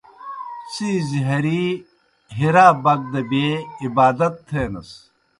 څِیزیْ ہرِی حرا بَک دہ بیے عبادت تِھینَس۔